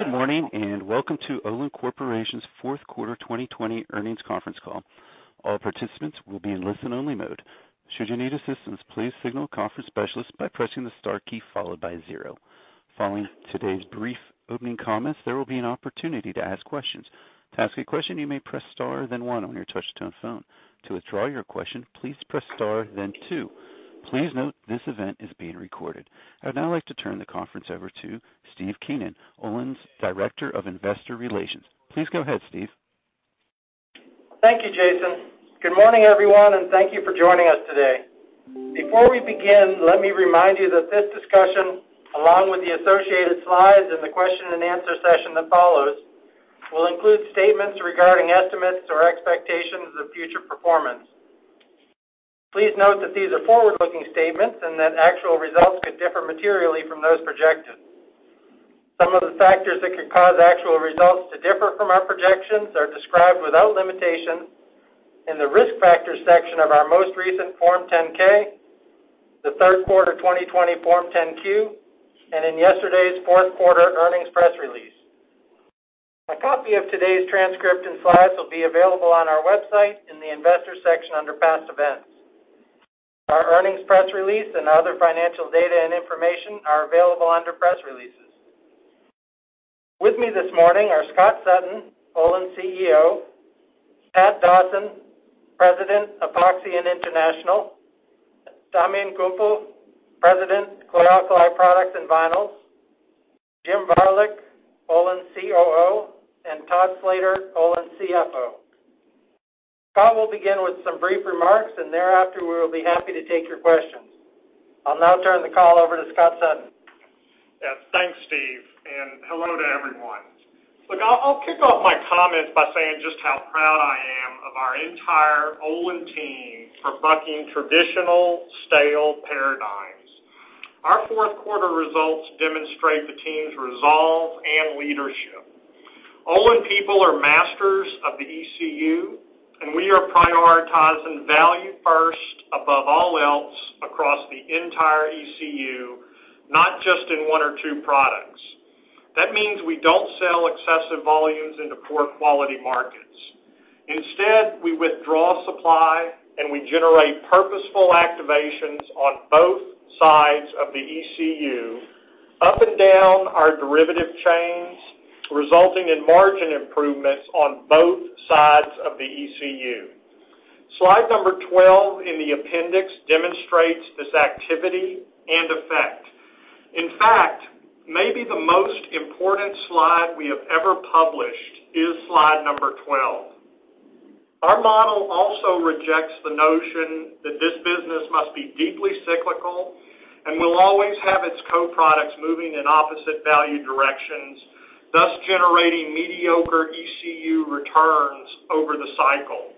Good morning, and welcome to Olin Corporation's fourth quarter 2020 earnings conference call. All participant will be in a listen-only mode. Should you need assistance, please signal conference specialist by pressing star key followed by zero. Following today's brief opening comments, there will be an opportunity to ask questions. To ask a question, you may press star then one on your touchtone phone. To withdraw your question, please press star then two. Please note that this event is being recorded. I'd now like to turn the conference over to Steve Keenan, Olin's Director of Investor Relations. Please go ahead, Steve. Thank you, Jason. Good morning, everyone, and thank you for joining us today. Before we begin, let me remind you that this discussion, along with the associated slides and the question and answer session that follows, will include statements regarding estimates or expectations of future performance. Please note that these are forward-looking statements and that actual results could differ materially from those projected. Some of the factors that could cause actual results to differ from our projections are described without limitation in the Risk Factors section of our most recent Form 10-K, the third quarter 2020 Form 10-Q, and in yesterday's fourth quarter earnings press release. A copy of today's transcript and slides will be available on our website in the Investors section under Past Events. Our earnings press release and other financial data and information are available under Press Releases. With me this morning are Scott Sutton, Olin's CEO, Pat Dawson, President, Epoxy and International, Damian Gumpel, President, Chlor-Alkali Products and Vinyls, Jim Varilek, Olin's COO, and Todd Slater, Olin's CFO. Scott will begin with some brief remarks, thereafter, we will be happy to take your questions. I'll now turn the call over to Scott Sutton. Thanks, Steve, hello to everyone. Look, I'll kick off my comments by saying just how proud I am of our entire Olin team for bucking traditional stale paradigms. Our fourth quarter results demonstrate the team's resolve and leadership. Olin people are masters of the ECU, we are prioritizing value first above all else across the entire ECU, not just in one or two products. That means we don't sell excessive volumes into poor quality markets. Instead, we withdraw supply, we generate purposeful activations on both sides of the ECU up and down our derivative chains, resulting in margin improvements on both sides of the ECU. Slide number 12 in the appendix demonstrates this activity and effect. Maybe the most important slide we have ever published is slide number 12. Our model also rejects the notion that this business must be deeply cyclical and will always have its co-products moving in opposite value directions, thus generating mediocre ECU returns over the cycle.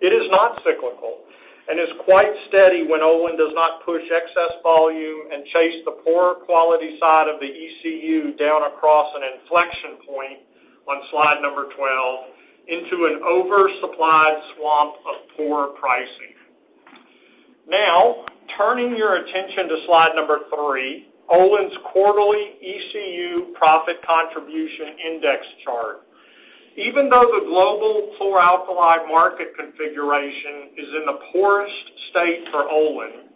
It is not cyclical and is quite steady when Olin does not push excess volume and chase the poor quality side of the ECU down across an inflection point on slide 12 into an oversupplied swamp of poor pricing. Now, turning your attention to slide three, Olin's quarterly ECU profit contribution index chart. Even though the global chlor-alkali market configuration is in the poorest state for Olin,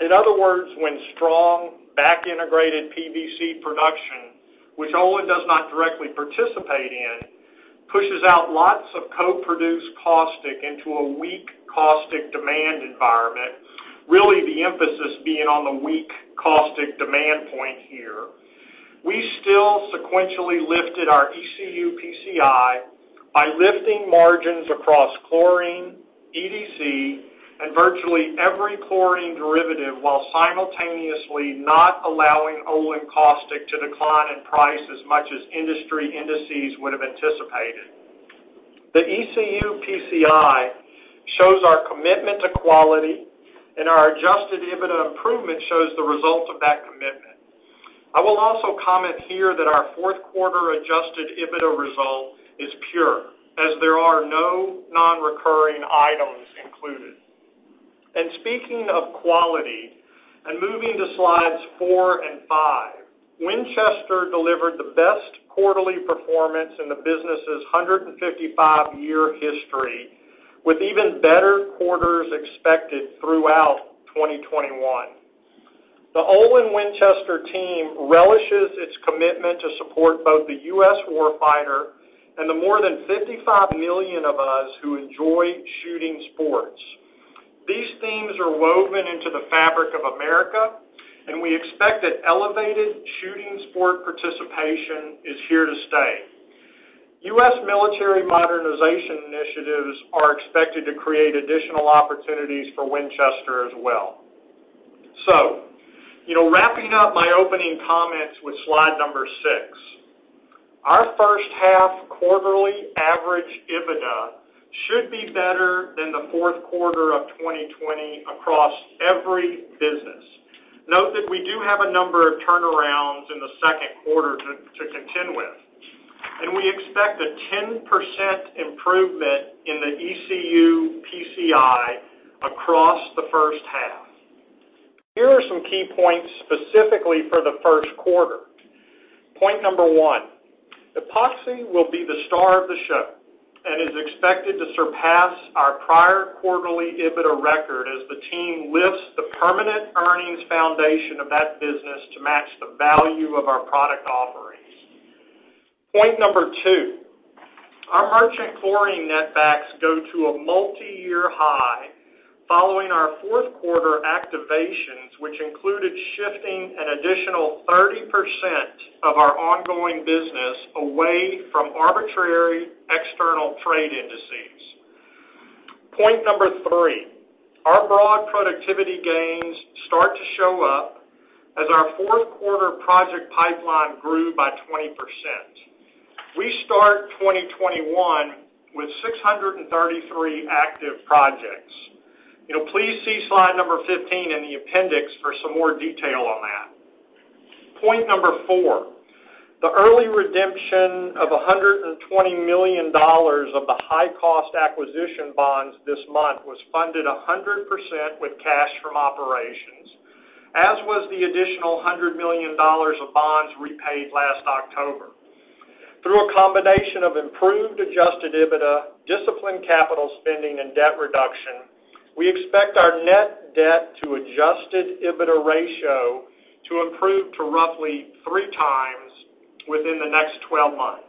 in other words, when strong back-integrated PVC production, which Olin does not directly participate in, pushes out lots of co-produced caustic into a weak caustic demand environment. Really the emphasis being on the weak caustic demand point here. We still sequentially lifted our ECU PCI by lifting margins across chlorine, EDC, and virtually every chlorine derivative while simultaneously not allowing Olin caustic to decline in price as much as industry indices would have anticipated. The ECU PCI shows our commitment to quality. Our adjusted EBITDA improvement shows the results of that commitment. I will also comment here that our fourth quarter adjusted EBITDA result is pure, as there are no non-recurring items included. Speaking of quality and moving to slides four and five, Winchester delivered the best quarterly performance in the business' 155-year history with even better quarters expected throughout 2021. The Olin Winchester team relishes its commitment to support both the U.S. war fighter and the more than 55 million of us who enjoy shooting sports. These themes are woven into the fabric of America. We expect that elevated shooting sport participation is here to stay. U.S. military modernization initiatives are expected to create additional opportunities for Winchester as well. Wrapping up my opening comments with slide number six. Our first half quarterly average EBITDA should be better than the fourth quarter of 2020 across every business. Note that we do have a number of turnarounds in the second quarter to contend with, and we expect a 10% improvement in the ECU PCI across the first half. Here are some key points specifically for the first quarter. Point number one, Epoxy will be the star of the show and is expected to surpass our prior quarterly EBITDA record as the team lifts the permanent earnings foundation of that business to match the value of our product offerings. Point number two, our merchant chlorine netbacks go to a multiyear high following our fourth quarter activations, which included shifting an additional 30% of our ongoing business away from arbitrary external trade indices. Point number three, our broad productivity gains start to show up as our fourth quarter project pipeline grew by 20%. We start 2021 with 633 active projects. Please see slide number 15 in the appendix for some more detail on that. Point number four, the early redemption of $120 million of the high-cost acquisition bonds this month was funded 100% with cash from operations, as was the additional $100 million of bonds repaid last October. Through a combination of improved adjusted EBITDA, disciplined capital spending, and debt reduction, we expect our net debt to adjusted EBITDA ratio to improve to roughly three times within the next 12 months.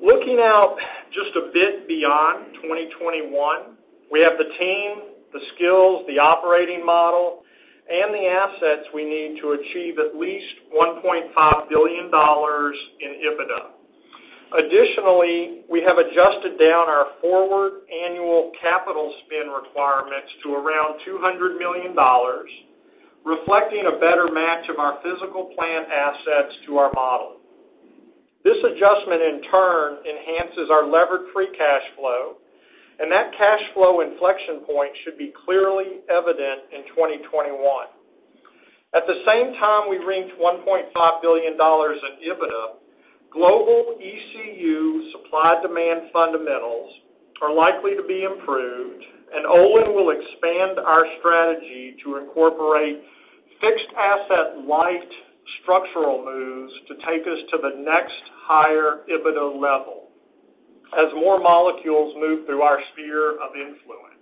Looking out just a bit beyond 2021, we have the team, the skills, the operating model, and the assets we need to achieve at least $1.5 billion in EBITDA. Additionally, we have adjusted down our forward annual capital spend requirements to around $200 million, reflecting a better match of our physical plant assets to our model. This adjustment, in turn, enhances our levered free cash flow, and that cash flow inflection point should be clearly evident in 2021. At the same time we reach $1.5 billion in EBITDA, global ECU supply-demand fundamentals are likely to be improved, and Olin will expand our strategy to incorporate fixed asset light structural moves to take us to the next higher EBITDA level as more molecules move through our sphere of influence.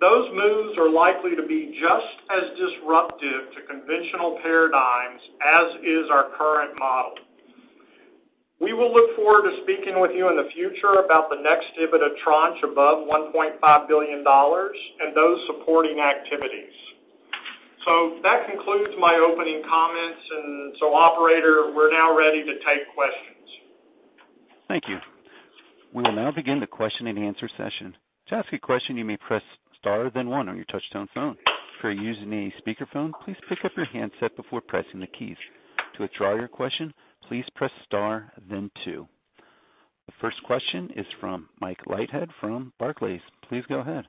Those moves are likely to be just as disruptive to conventional paradigms as is our current model. We will look forward to speaking with you in the future about the next EBITDA tranche above $1.5 billion and those supporting activities. That concludes my opening comments. Operator, we're now ready to take questions. Thank you. We will now begin the question and answer session. To ask a question you may press star then one on your touchtone phone. For any of you using speaker phone, please pick up your handset before pressing the keys. To withdraw your question, please press star then two. The first question is from Mike Leithead from Barclays. Please go ahead.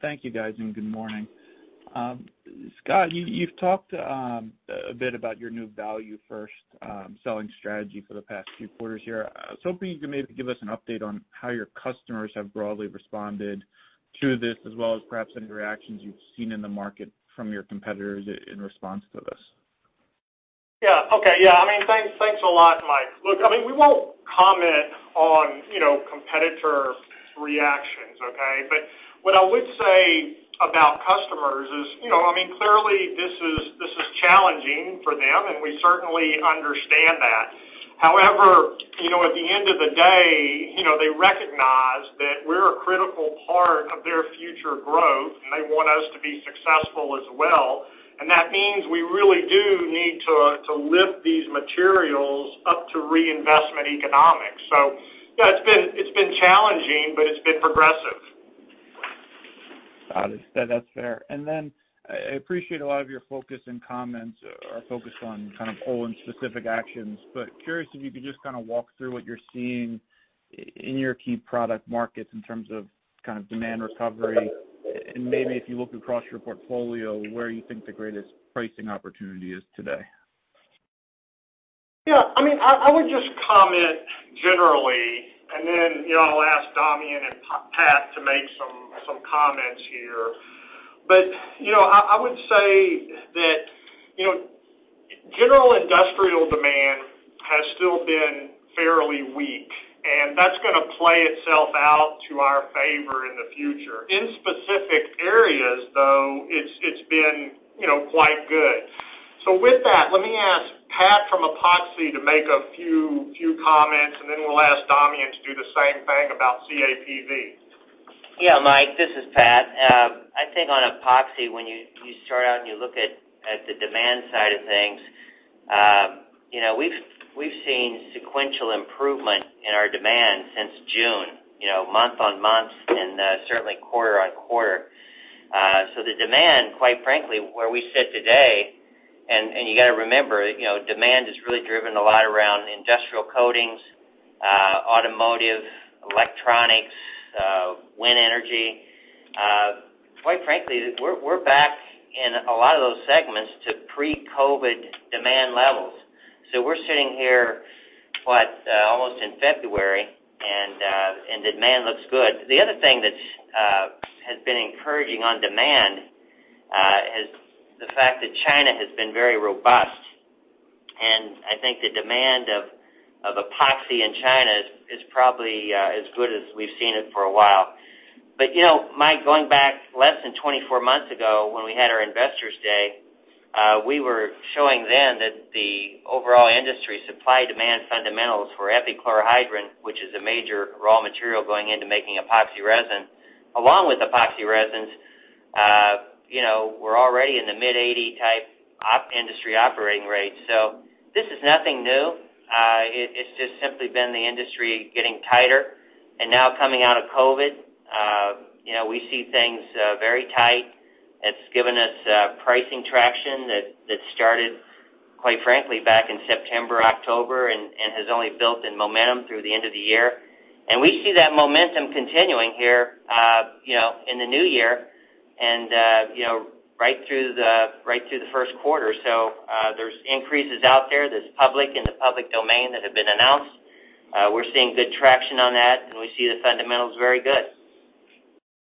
Thank you, guys, and good morning. Scott, you've talked a bit about your new value first selling strategy for the past few quarters here. I was hoping you could maybe give us an update on how your customers have broadly responded to this, as well as perhaps any reactions you've seen in the market from your competitors in response to this. Yeah. Okay. Yeah. Thanks a lot, Mike. Look, we won't comment on competitor reactions, okay? What I would say about customers is, clearly this is challenging for them, and we certainly understand that. However, at the end of the day, they recognize that we're a critical part of their future growth, and they want us to be successful as well. That means we really do need to lift these materials up to reinvestment economics. Yeah, it's been challenging, but it's been progressive. Got it. That's fair. I appreciate a lot of your focus and comments are focused on kind of Olin specific actions, but curious if you could just kind of walk through what you're seeing in your key product markets in terms of kind of demand recovery. Maybe if you look across your portfolio, where you think the greatest pricing opportunity is today. I would just comment generally, and then I'll ask Damian and Pat to make some comments here. I would say that general industrial demand has still been fairly weak, and that's going to play itself out to our favor in the future. In specific areas, though, it's been quite good. With that, let me ask Pat from Epoxy to make a few comments, and then we'll ask Damian to do the same thing about CAPV. Yeah, Mike, this is Pat. I think on Epoxy, when you start out and you look at the demand side of things, we've seen sequential improvement in our demand since June, month-on-month and certainly quarter-on-quarter. The demand, quite frankly, where we sit today, and you got to remember, demand is really driven a lot around industrial coatings, automotive, electronics, wind energy. Quite frankly, we're back in a lot of those segments to pre-COVID demand levels. We're sitting here almost in February, and demand looks good. The other thing that has been encouraging on demand is the fact that China has been very robust, and I think the demand of Epoxy in China is probably as good as we've seen it for a while. Mike, going back less than 24 months ago when we had our investors day, we were showing then that the overall industry supply-demand fundamentals for epichlorohydrin, which is a major raw material going into making epoxy resin, along with epoxy resins, we're already in the mid-80% type industry operating rates. This is nothing new. It's just simply been the industry getting tighter. Now coming out of COVID, we see things very tight. It's given us pricing traction that started, quite frankly, back in September, October, and has only built in momentum through the end of the year. We see that momentum continuing here in the new year and right through the first quarter. There's increases out there that's public, in the public domain that have been announced. We're seeing good traction on that, and we see the fundamentals very good.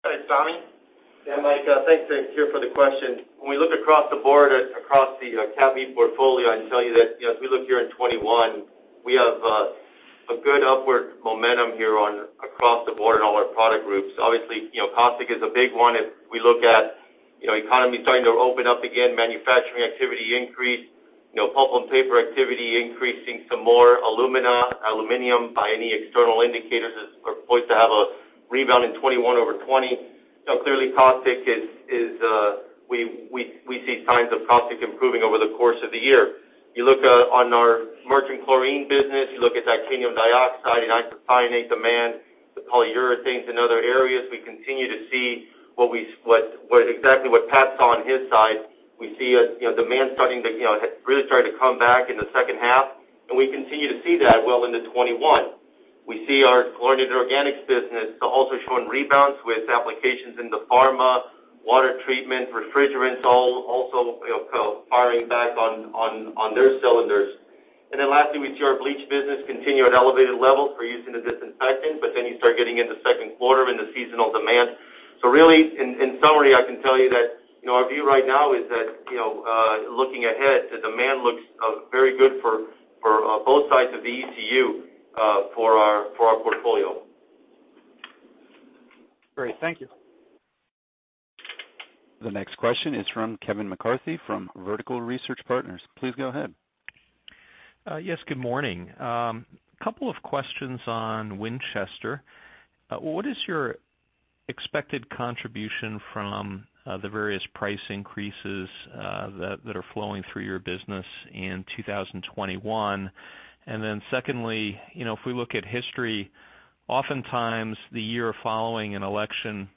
This is Dami. Mike, thanks again here for the question. When we look across the board, across the CAPV portfolio, I can tell you that as we look here in 2021, we have a good upward momentum here across the board in all our product groups. Obviously, caustic is a big one if we look at economy starting to open up again, manufacturing activity increase, pulp and paper activity increasing some more. Alumina, aluminum by any external indicators are poised to have a rebound in 2021 over 2020. Clearly, we see signs of caustic improving over the course of the year. You look on our merchant chlorine business, you look at titanium dioxide and isocyanate demand, the polyurethanes in other areas, we continue to see exactly what Pat saw on his side. We see demand really starting to come back in the second half. We continue to see that well into 2021. We see our chlorinated organics business also showing rebounds with applications into pharma, water treatment, refrigerants all also firing back on their cylinders. Lastly, we see our bleach business continue at elevated levels for use in a disinfectant, but then you start getting into second quarter in the seasonal demand. Really, in summary, I can tell you that our view right now is that, looking ahead, the demand looks very good for both sides of the ECU for our portfolio. Great. Thank you. The next question is from Kevin McCarthy from Vertical Research Partners. Please go ahead. Yes, good morning. Couple of questions on Winchester. What is your expected contribution from the various price increases that are flowing through your business in 2021? Then secondly, if we look at history, oftentimes the year following an election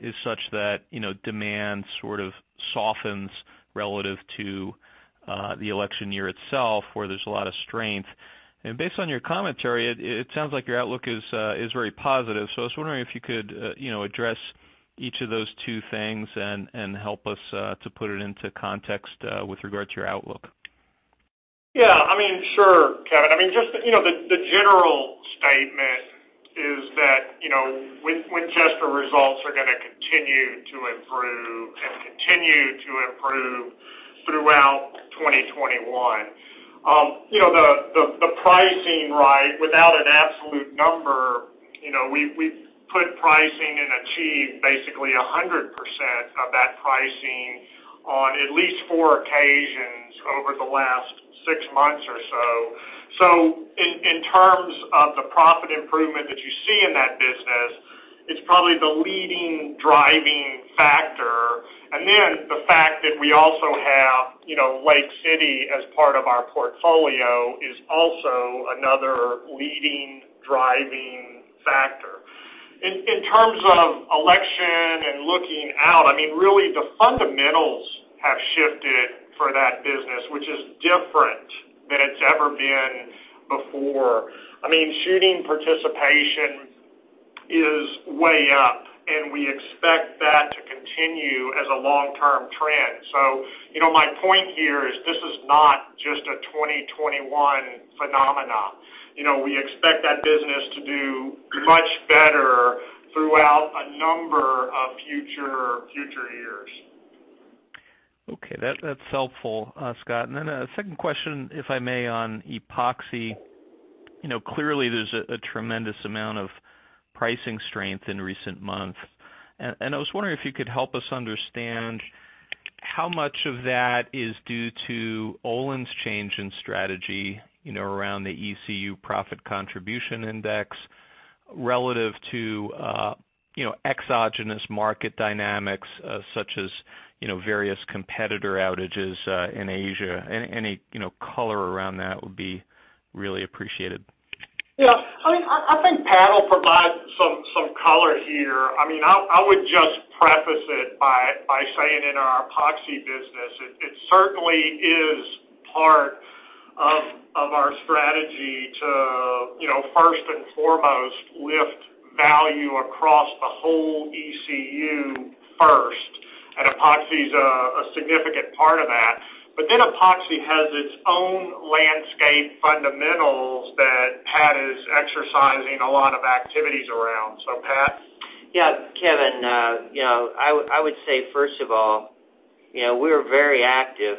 is such that demand sort of softens relative to the election year itself, where there's a lot of strength. Based on your commentary, it sounds like your outlook is very positive. I was wondering if you could address each of those two things and help us to put it into context with regard to your outlook? Yeah. Sure, Kevin. The general statement is that Winchester results are going to continue to improve and continue to improve throughout 2021. The pricing, without an absolute number, we've put pricing and achieved basically 100% of that pricing on at least four occasions over the last six months or so. In terms of the profit improvement that you see in that business, it's probably the leading driving factor. The fact that we also have Lake City as part of our portfolio is also another leading driving factor. In terms of election and looking out, really the fundamentals have shifted for that business, which is different than it's ever been before. Shooting participation is way up, and we expect that to continue as a long-term trend. My point here is this is not just a 2021 phenomenon. We expect that business to do much better throughout a number of future years. Okay. That's helpful, Scott. A second question, if I may, on epoxy. Clearly there's a tremendous amount of pricing strength in recent months. I was wondering if you could help us understand how much of that is due to Olin's change in strategy around the ECU profit contribution index relative to exogenous market dynamics, such as various competitor outages in Asia. Any color around that would be really appreciated. Yeah. I think Pat will provide some color here. I would just preface it by saying in our epoxy business, it certainly is part of our strategy to first and foremost, lift value across the whole ECU first. Epoxy is a significant part of that. Epoxy has its own landscape fundamentals that Pat is exercising a lot of activities around. Pat? Kevin, I would say, first of all, we're very active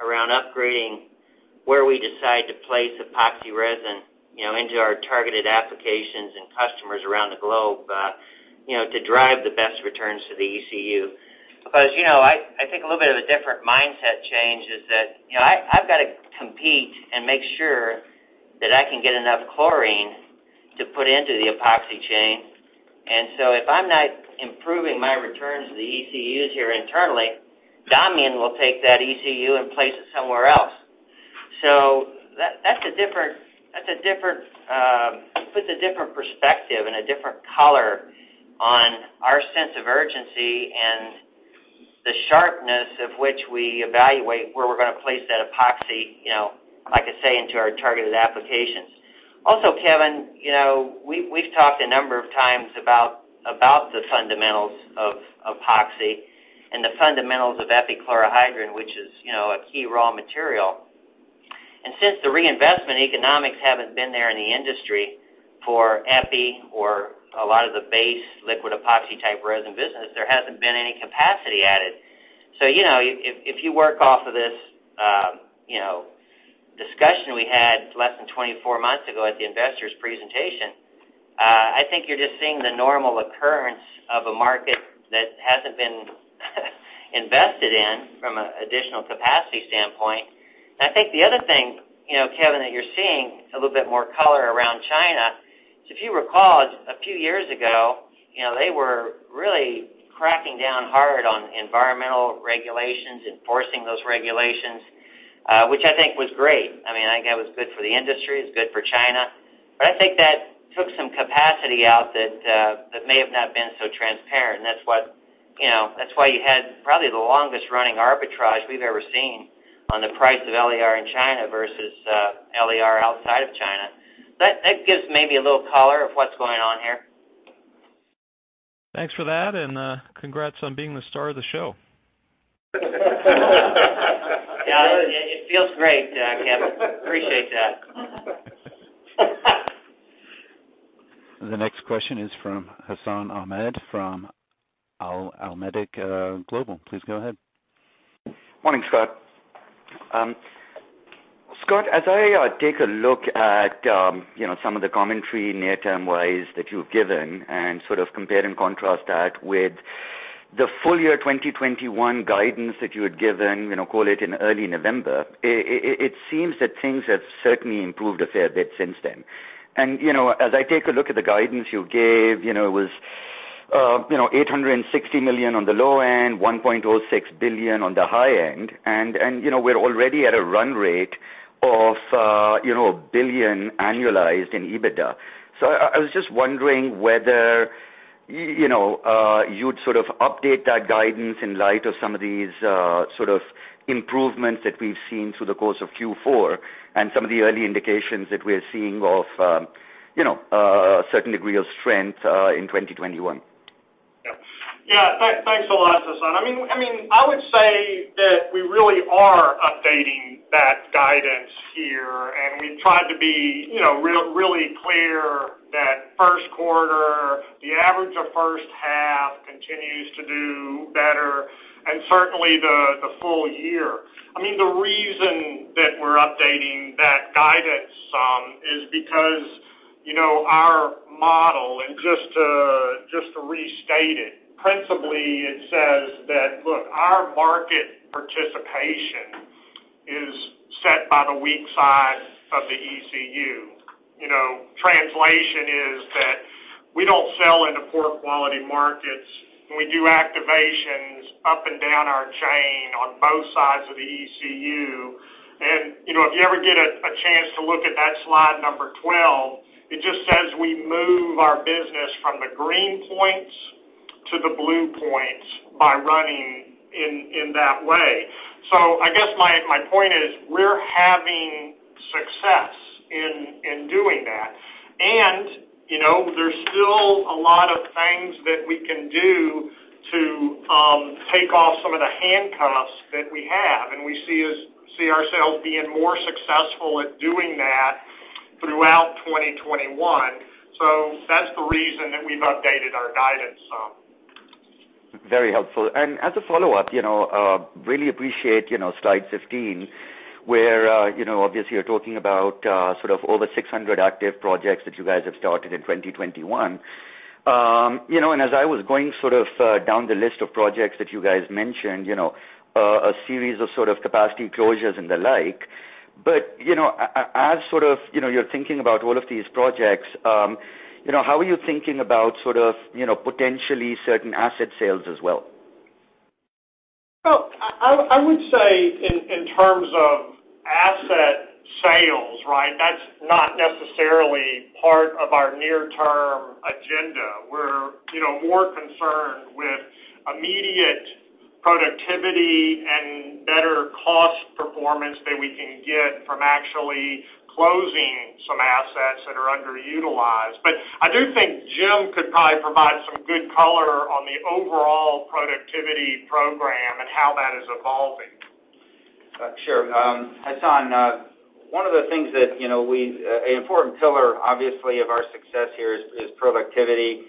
around upgrading where we decide to place epoxy resin into our targeted applications and customers around the globe to drive the best returns to the ECU. I think a little bit of a different mindset change is that I've got to compete and make sure that I can get enough chlorine to put into the Epoxy chain. If I'm not improving my returns to the ECUs here internally, Damian will take that ECU and place it somewhere else. That puts a different perspective and a different color on our sense of urgency and the sharpness of which we evaluate where we're going to place that epoxy, like I say, into our targeted applications. Kevin, we've talked a number of times about the fundamentals of Epoxy and the fundamentals of epichlorohydrin, which is a key raw material. Since the reinvestment economics haven't been there in the industry for EPI or a lot of the base liquid epoxy type resin business, there hasn't been any capacity added. If you work off of this discussion we had less than 24 months ago at the investors presentation, I think you're just seeing the normal occurrence of a market that hasn't been invested in from an additional capacity standpoint. I think the other thing, Kevin, that you're seeing a little bit more color around China is, if you recall, a few years ago, they were really cracking down hard on environmental regulations, enforcing those regulations, which I think was great. I think that was good for the industry. It's good for China. I think that took some capacity out that may have not been so transparent. That's why you had probably the longest running arbitrage we've ever seen on the price of LER in China versus LER outside of China. That gives maybe a little color of what's going on here. Thanks for that, and congrats on being the star of the show. Yeah, it feels great, Kevin. Appreciate that. The next question is from Hassan Ahmed from Alembic Global. Please go ahead. Morning, Scott. Scott, as I take a look at some of the commentary near term-wise that you've given, and sort of compare and contrast that with the full year 2021 guidance that you had given, call it in early November, it seems that things have certainly improved a fair bit since then. As I take a look at the guidance you gave, it was $860 million on the low end, $1.06 billion on the high end. We're already at a run rate of $1 billion annualized in EBITDA. I was just wondering whether you'd sort of update that guidance in light of some of these sort of improvements that we've seen through the course of Q4 and some of the early indications that we're seeing of a certain degree of strength in 2021. Yeah. Thanks a lot, Hassan. I would say that we really are updating that guidance here, and we tried to be really clear that first quarter, the average of first half continues to do better, and certainly the full year. The reason that we're updating that guidance some is because our model, and just to restate it, principally it says that, look, our market participation is set by the weak side of the ECU. Translation is that we don't sell into poor quality markets. We do activations up and down our chain on both sides of the ECU. If you ever get a chance to look at that slide number 12, it just says we move our business from the green points to the blue points by running in that way. I guess my point is we're having success in doing that. There's still a lot of things that we can do to take off some of the handcuffs that we have. We see ourselves being more successful at doing that throughout 2021. That's the reason that we've updated our guidance some. Very helpful. As a follow-up, really appreciate slide 15, where obviously you're talking about sort of over 600 active projects that you guys have started in 2021. As I was going sort of down the list of projects that you guys mentioned, a series of sort of capacity closures and the like. As sort of you're thinking about all of these projects, how are you thinking about sort of potentially certain asset sales as well? I would say in terms of asset sales, right? That's not necessarily part of our near-term agenda. We're more concerned with immediate productivity and better cost performance that we can get from actually closing some assets that are underutilized. I do think Jim could probably provide some good color on the overall productivity program and how that is evolving. Sure. Hassan, one of the things that an important pillar, obviously, of our success here is productivity.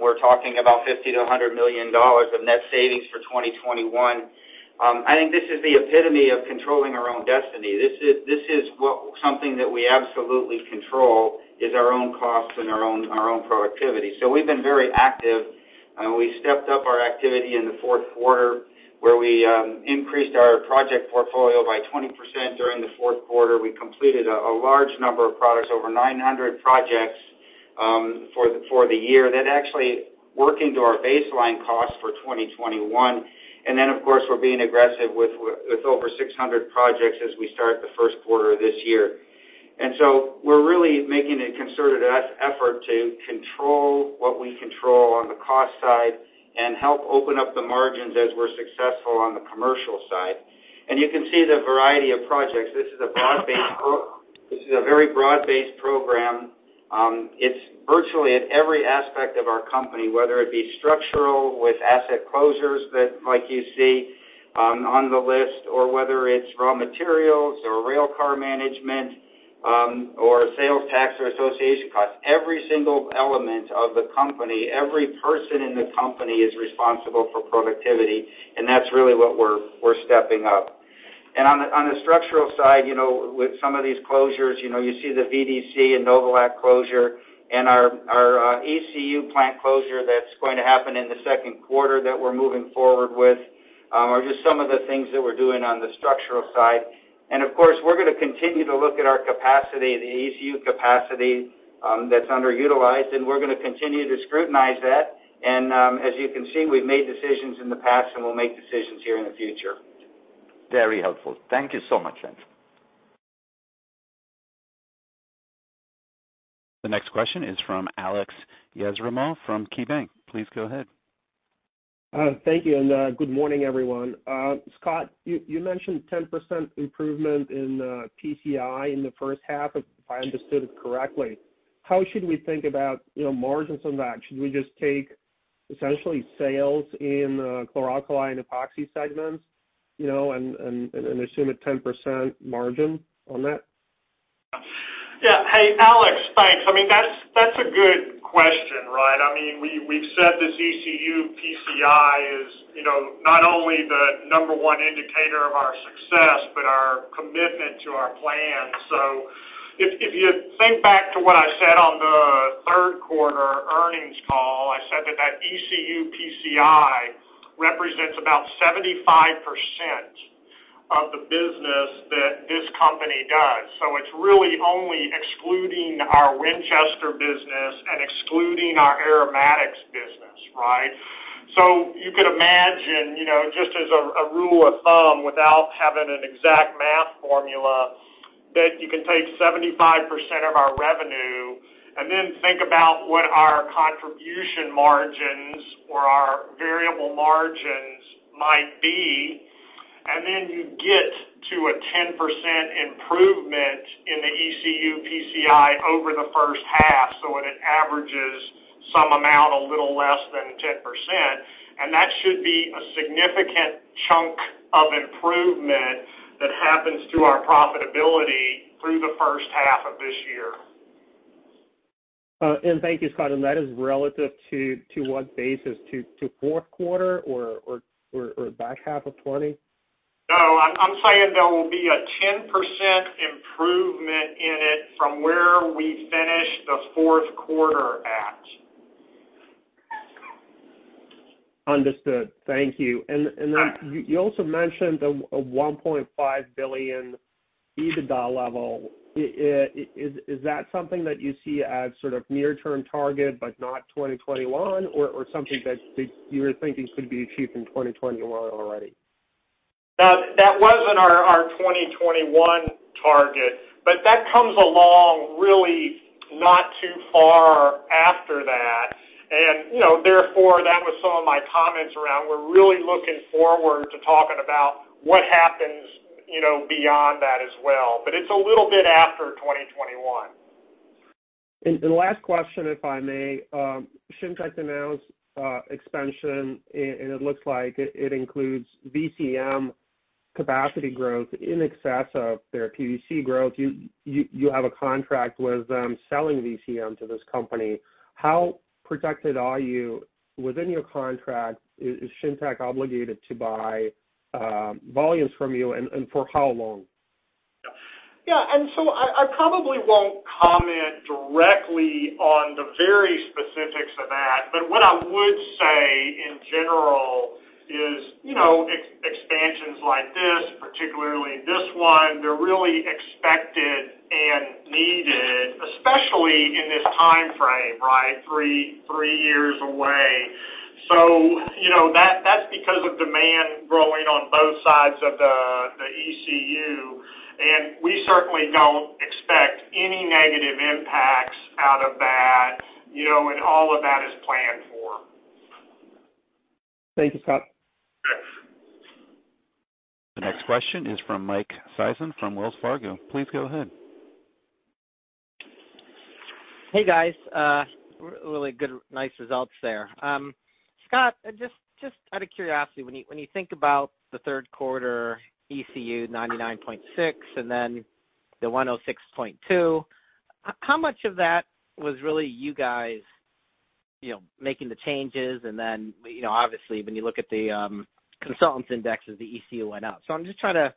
We're talking about $50 million-$100 million of net savings for 2021. I think this is the epitome of controlling our own destiny. This is something that we absolutely control, is our own costs and our own productivity. We've been very active. We stepped up our activity in the fourth quarter, where we increased our project portfolio by 20% during the fourth quarter. We completed a large number of projects, over 900 projects for the year that actually work into our baseline cost for 2021. Of course, we're being aggressive with over 600 projects as we start the first quarter of this year. We're really making a concerted effort to control what we control on the cost side and help open up the margins as we're successful on the commercial side. You can see the variety of projects. This is a very broad-based program. It's virtually at every aspect of our company, whether it be structural with asset closures like you see on the list, or whether it's raw materials or rail car management, or sales tax or association costs. Every single element of the company, every person in the company is responsible for productivity, and that's really what we're stepping up. On the structural side, with some of these closures, you see the VDC and Novolak closure and our ECU plant closure that's going to happen in the second quarter that we're moving forward with are just some of the things that we're doing on the structural side. Of course, we're going to continue to look at our capacity, the ECU capacity that's underutilized, and we're going to continue to scrutinize that. As you can see, we've made decisions in the past and we'll make decisions here in the future. Very helpful. Thank you so much, gentlemen. The next question is from Aleksey Yefremov from KeyBanc. Please go ahead. Thank you. Good morning, everyone. Scott, you mentioned 10% improvement in PCI in the first half, if I understood it correctly. How should we think about margins on that? Should we just take essentially sales in the chlor-alkali and Epoxy segments and assume a 10% margin on that? Yeah. Hey, Aleksey, thanks. That's a good question. We've said this ECU PCI is not only the number one indicator of our success, but our commitment to our plan. If you think back to what I said on the third quarter earnings call, I said that that ECU PCI represents about 75% of the business that this company does. It's really only excluding our Winchester business and excluding our aromatics business. You could imagine, just as a rule of thumb, without having an exact math formula, that you can take 75% of our revenue and then think about what our contribution margins or our variable margins might be, and then you get to a 10% improvement in the ECU PCI over the first half. It averages some amount a little less than 10%, and that should be a significant chunk of improvement that happens to our profitability through the first half of this year. Thank you, Scott. That is relative to what basis? To fourth quarter or back half of 2020? I'm saying there will be a 10% improvement in it from where we finished the fourth quarter at. Understood. Thank you. You also mentioned a $1.5 billion EBITDA level. Is that something that you see as sort of near-term target, but not 2021, or something that you were thinking could be achieved in 2021 already? That wasn't our 2021 target, but that comes along really not too far after that. Therefore, that was some of my comments around, we're really looking forward to talking about what happens beyond that as well. It's a little bit after 2021. The last question, if I may. Shintech announced expansion, and it looks like it includes VCM capacity growth in excess of their PVC growth. You have a contract with them selling VCM to this company. How protected are you within your contract? Is Shintech obligated to buy volumes from you, and for how long? Yeah. I probably won't comment directly on the very specifics of that. What I would say, in general, is expansions like this, particularly this one, they're really expected and needed, especially in this timeframe, three years away. That's because of demand growing on both sides of the ECU. We certainly don't expect any negative impacts out of that. All of that is planned for. Thank you, Scott. The next question is from Mike Sison from Wells Fargo. Please go ahead. Hey, guys. Really good, nice results there. Scott, just out of curiosity, when you think about the third quarter ECU 99.6 and then the 106.2, how much of that was really you guys making the changes, and then obviously when you look at the consultants indexes, the ECU went up. I'm just trying to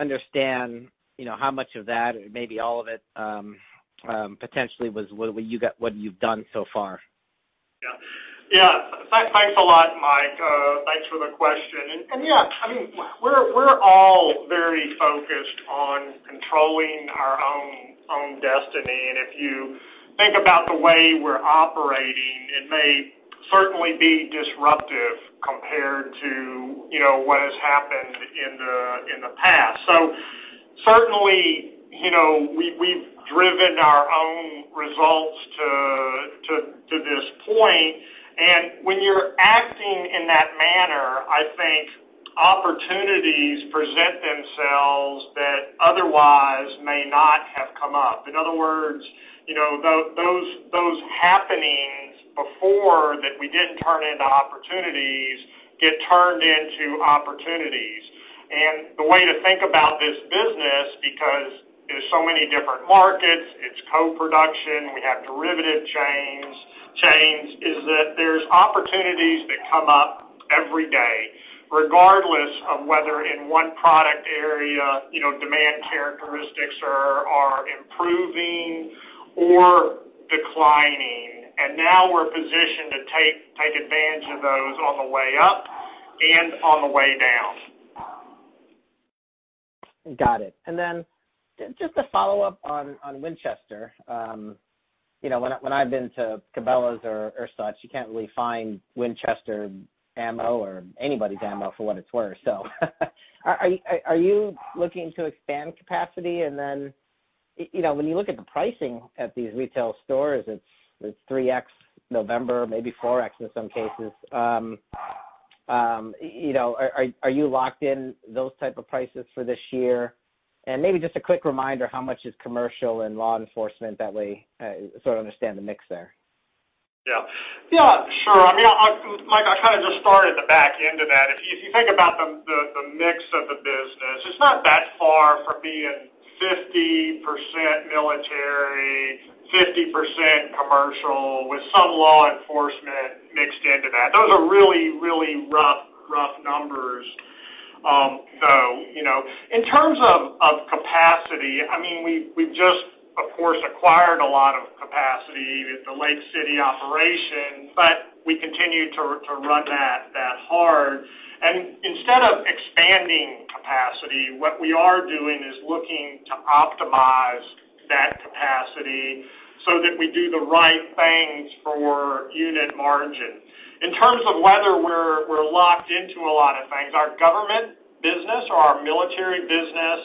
understand how much of that, maybe all of it, potentially was what you've done so far. Yeah. Thanks a lot, Mike. Thanks for the question. Yeah, we're all very focused on controlling our own destiny, and if you think about the way we're operating, it may certainly be disruptive compared to what has happened in the past. Certainly, we've driven our own results to this point, and when you're acting in that manner, I think opportunities present themselves that otherwise may not have come up. In other words, those happenings before that we didn't turn into opportunities, get turned into opportunities. The way to think about this business, because there's so many different markets, it's co-production, we have derivative chains, is that there's opportunities that come up every day, regardless of whether in one product area, demand characteristics are improving or declining. Now we're positioned to take advantage of those on the way up and on the way down. Got it. Just a follow-up on Winchester. When I've been to Cabela's or such, you can't really find Winchester ammo or anybody's ammo for what it's worth. Are you looking to expand capacity? When you look at the pricing at these retail stores, it's 3x November, maybe 4x in some cases. Are you locked in those type of prices for this year? Maybe just a quick reminder, how much is commercial and law enforcement that way, sort of understand the mix there. Sure. Mike, I kind of just started the back end of that. If you think about the mix of the business, it's not that far from being 50% military, 50% commercial with some law enforcement mixed into that. Those are really rough numbers though. In terms of capacity, we've just, of course, acquired a lot of capacity with the Lake City operation, but we continue to run that hard. Instead of expanding capacity, what we are doing is looking to optimize that capacity so that we do the right things for unit margin. In terms of whether we're locked into a lot of things, our government business or our military business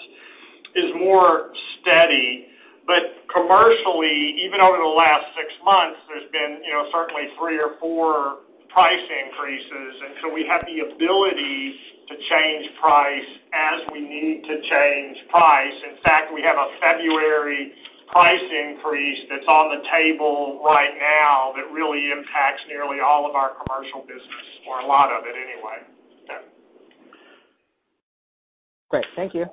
is more steady. Commercially, even over the last 6 months, there's been certainly three or four price increases, we have the ability to change price as we need to change price. In fact, we have a February price increase that's on the table right now that really impacts nearly all of our commercial business, or a lot of it anyway. Yeah. Great. Thank you. All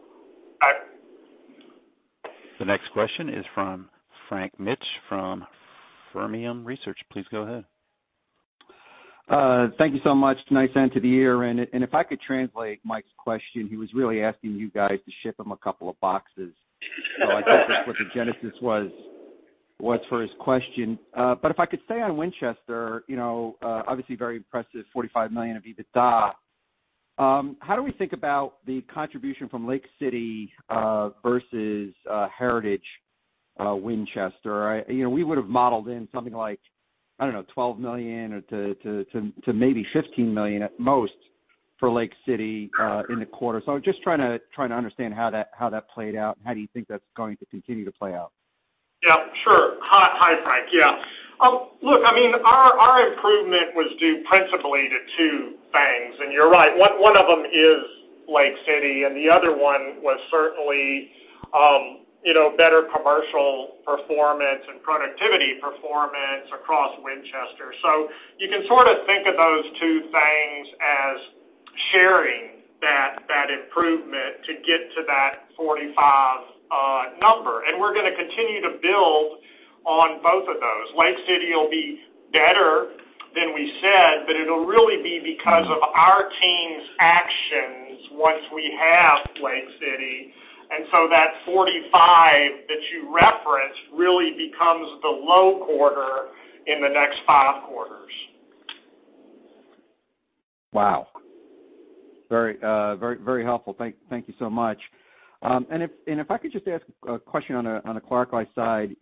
right. The next question is from Frank Mitsch from Fermium Research. Please go ahead. Thank you so much. Nice end to the year. If I could translate Mike's question, he was really asking you guys to ship him a couple of boxes. I think that's what the genesis was for his question. If I could stay on Winchester, obviously very impressive, $45 million of EBITDA. How do we think about the contribution from Lake City versus Heritage Winchester? We would've modeled in something like, I don't know, $12 million-$15 million at most for Lake City in the quarter. I'm just trying to understand how that played out and how do you think that's going to continue to play out? Yeah, sure. Hi, Frank. Yeah. Look, our improvement was due principally to two things, and you're right. One of them is Lake City, and the other one was certainly better commercial performance and productivity performance across Winchester. You can sort of think of those two things as sharing that improvement to get to that $45 million number. Lake City will be better than we said, but it'll really be because of our team's actions once we have Lake City. That $45 million that you referenced really becomes the low quarter in the next five quarters. Wow. Very helpful. Thank you so much. If I could just ask a question on the chlor-alkali side.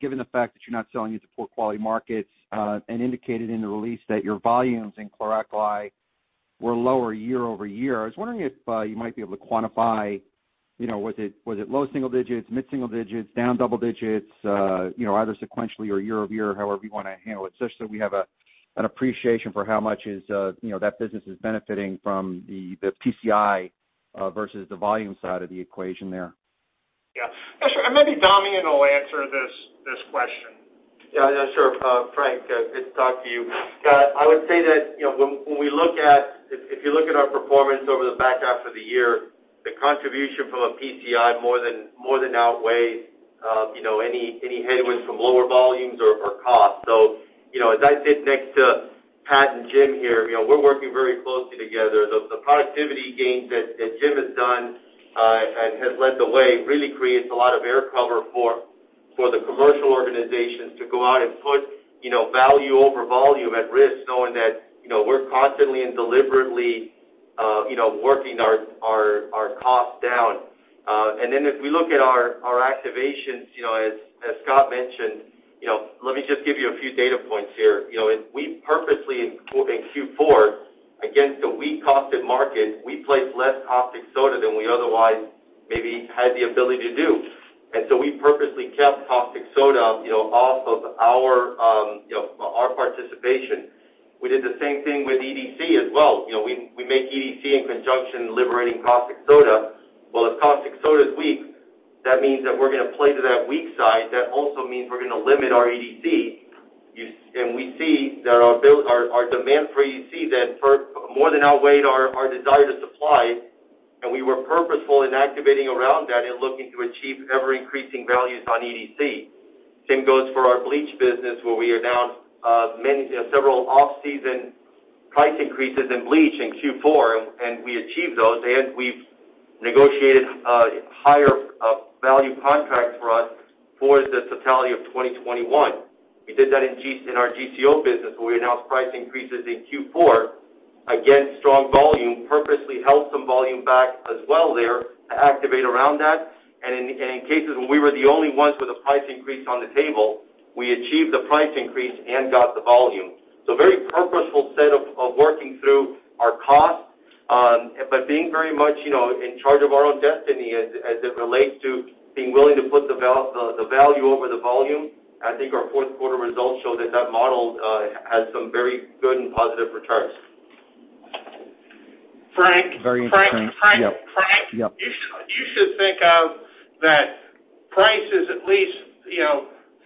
Given the fact that you're not selling into poor quality markets, and indicated in the release that your volumes in chlor-alkali were lower year-over-year. I was wondering if you might be able to quantify, was it low-single digits, mid-single digits, down double-digits either sequentially or year-over-year, however you want to handle it, such that we have an appreciation for how much that business is benefiting from the PCI versus the volume side of the equation there? Yeah. Maybe Damian will answer this question. Yeah. Sure, Frank, good to talk to you. Scott, I would say that when we look at, if you look at our performance over the back half of the year, the contribution from a PCI more than outweighs any headwinds from lower volumes or cost. As I sit next to Pat and Jim here, we're working very closely together. The productivity gains that Jim has done and has led the way really creates a lot of air cover for the commercial organizations to go out and put value over volume at risk, knowing that we're constantly and deliberately working our cost down. As we look at our activations, as Scott mentioned, let me just give you a few data points here. We purposely, in Q4, against a weak caustic market, we placed less caustic soda than we otherwise maybe had the ability to do. We purposely kept caustic soda off of our participation. We did the same thing with EDC as well. We make EDC in conjunction liberating caustic soda. If caustic soda is weak, that means that we're going to play to that weak side. That also means we're going to limit our EDC. We see that our demand for EDC then more than outweighed our desire to supply, and we were purposeful in activating around that and looking to achieve ever-increasing values on EDC. Same goes for our bleach business, where we announced several off-season price increases in bleach in Q4, and we achieved those, and we've negotiated higher value contracts for us for the totality of 2021. We did that in our GCO business, where we announced price increases in Q4. Again, strong volume, purposely held some volume back as well there to activate around that. In cases when we were the only ones with a price increase on the table, we achieved the price increase and got the volume. Very purposeful set of working through our costs. Being very much in charge of our own destiny as it relates to being willing to put the value over the volume. I think our fourth quarter results show that model has some very good and positive returns. Frank- Very interesting. Yep. Frank? Yep. You should think of that price is at least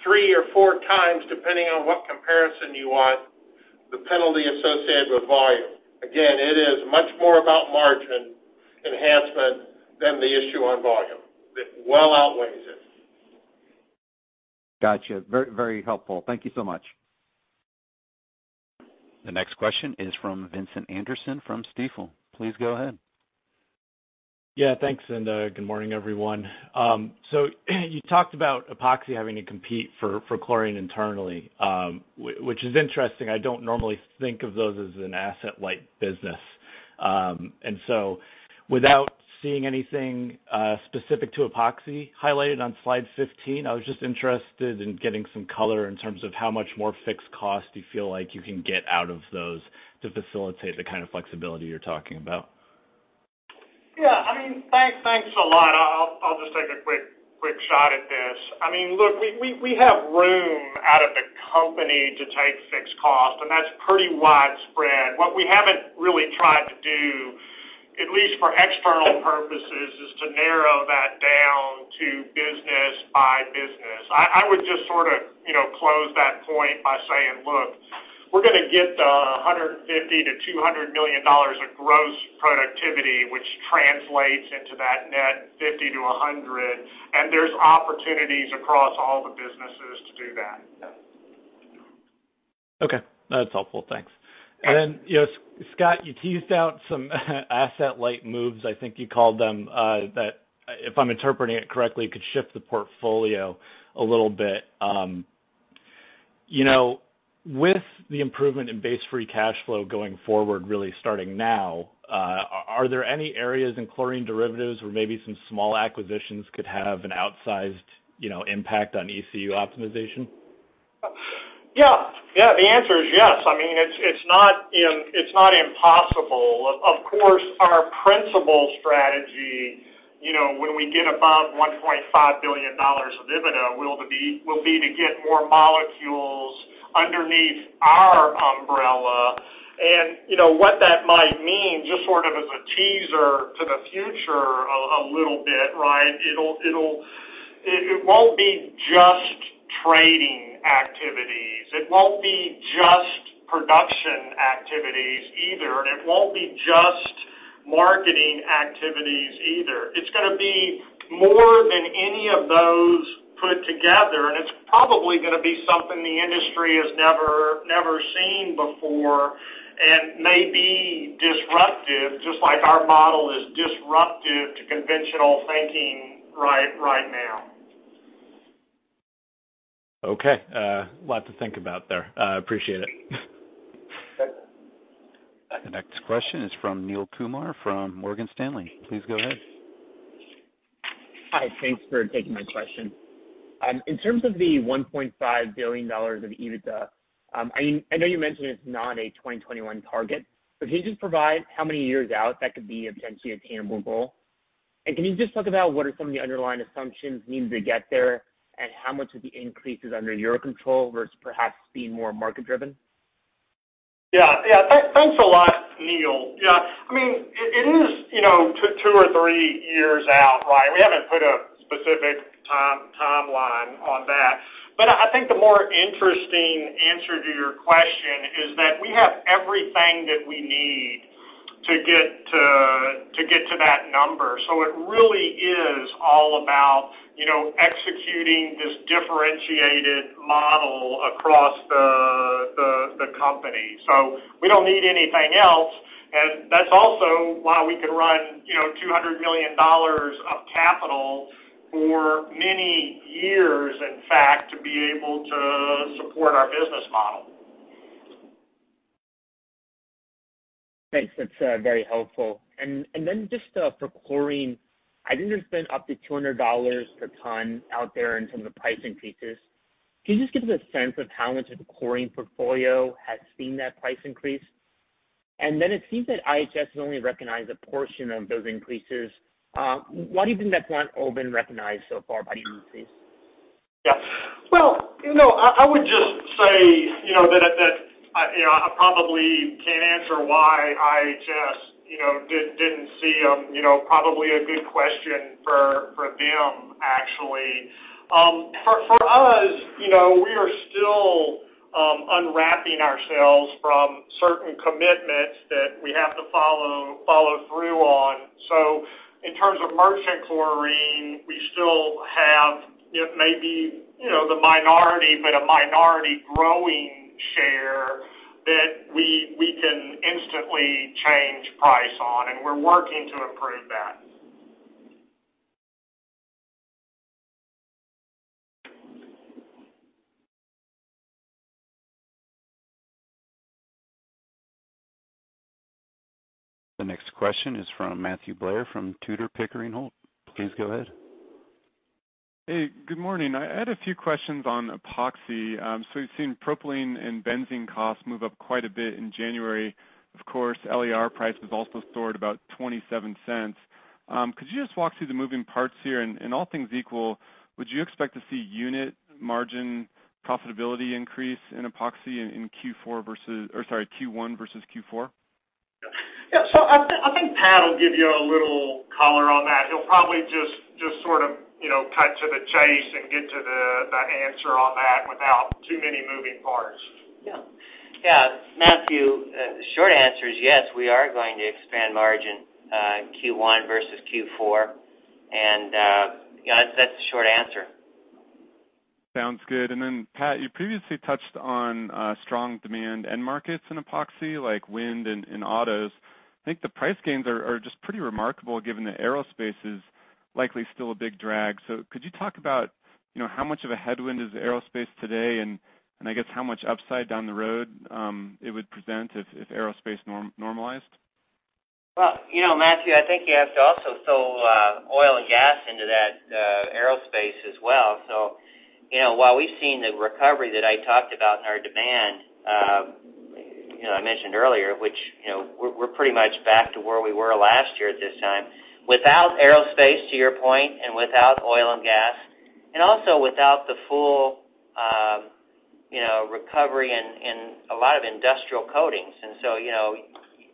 three or four times, depending on what comparison you want, the penalty associated with volume. Again, it is much more about margin enhancement than the issue on volume. It well outweighs it. Got you. Very helpful. Thank you so much. The next question is from Vincent Anderson from Stifel. Please go ahead. Yeah, thanks. Good morning, everyone. You talked about Epoxy having to compete for chlorine internally, which is interesting. I don't normally think of those as an asset-light business. Without seeing anything specific to Epoxy highlighted on slide 15, I was just interested in getting some color in terms of how much more fixed cost you feel like you can get out of those to facilitate the kind of flexibility you're talking about. Yeah. Thanks a lot. I'll just take a quick shot at this. Look, we have room out of the company to take fixed cost, and that's pretty widespread. What we haven't really tried to do, at least for external purposes, is to narrow that down to business by business. I would just sort of close that point by saying, look, we're going to get $150 million-$200 million of gross productivity, which translates into that net $50 million-$100 million, and there's opportunities across all the businesses to do that. Okay. That's helpful. Thanks. Yeah. Scott, you teased out some asset-light moves, I think you called them, that if I'm interpreting it correctly, could shift the portfolio a little bit. With the improvement in base free cash flow going forward, really starting now, are there any areas in chlorine derivatives or maybe some small acquisitions could have an outsized impact on ECU optimization? Yeah. The answer is yes. It's not impossible. Of course, our principal strategy when we get above $1.5 billion of EBITDA will be to get more molecules underneath our umbrella. What that might mean, just sort of as a teaser to the future a little bit, right? It won't be just trading activities, it won't be just production activities either, and it won't be just marketing activities either. It's going to be more than any of those put together, and it's probably going to be something the industry has never seen before and may be disruptive, just like our model is disruptive to conventional thinking right now. Okay. A lot to think about there. I appreciate it. Okay. The next question is from Neel Kumar from Morgan Stanley. Please go ahead. Hi. Thanks for taking my question. In terms of the $1.5 billion of EBITDA, I know you mentioned it's not a 2021 target, but can you just provide how many years out that could be a potentially attainable goal? Can you just talk about what are some of the underlying assumptions needed to get there, and how much of the increase is under your control versus perhaps being more market driven? Yeah. Thanks a lot, Neel. It is two or three years out. We haven't put a specific timeline on that. I think the more interesting answer to your question is that we have everything that we need to get to that number. It really is all about executing this differentiated model across the company. We don't need anything else, and that's also why we can run $200 million of capital for many years, in fact, to be able to support our business model. Thanks. That's very helpful. Just for chlorine, I think it's been up to $200 per ton out there in terms of price increases. Can you just give us a sense of how much of the chlorine portfolio has seen that price increase? It seems that IHS has only recognized a portion of those increases. Why do you think that's not all been recognized so far by IHS? Yeah. Well, I would just say that I probably can't answer why IHS didn't see them. Probably a good question for them, actually. For us, we are still unwrapping ourselves from certain commitments that we have to follow through on. In terms of merchant chlorine, we still have maybe the minority, but a minority growing share that we can instantly change price on, and we're working to improve that. The next question is from Matthew Blair from Tudor, Pickering, Holt. Please go ahead. Hey, good morning. I had a few questions on epoxy. We've seen propylene and benzene costs move up quite a bit in January. Of course, LER price was also soared about $0.27. Could you just walk through the moving parts here, and all things equal, would you expect to see unit margin profitability increase in epoxy in Q1 versus Q4? Yeah. I think Pat will give you a little color on that. He'll probably just sort of cut to the chase and get to the answer on that without too many moving parts. Yeah. Matthew, the short answer is yes, we are going to expand margin Q1 versus Q4. That's the short answer. Sounds good. Pat, you previously touched on strong demand end markets in epoxy like wind and autos. I think the price gains are just pretty remarkable given that aerospace is likely still a big drag. Could you talk about how much of a headwind is aerospace today, and I guess how much upside down the road it would present if aerospace normalized? Matthew, I think you have to also throw oil and gas into that aerospace as well. While we've seen the recovery that I talked about in our demand I mentioned earlier, which we're pretty much back to where we were last year at this time. Without aerospace, to your point, and without oil and gas, and also without the full recovery in a lot of industrial coatings.